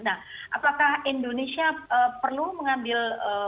nah apakah indonesia perlu mengambil